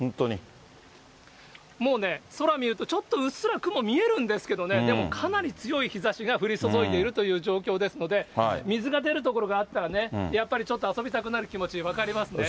もうね、空見ると、ちょっとうっすら雲が見えるんですけれども、でもかなり強い日ざしが降り注いでいるという状況ですので、水が出る所があったらね、やっぱりちょっと、遊びたくなる気持ち分かりますね。